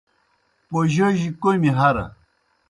پوجوجیْ کوْمی ہرہ۔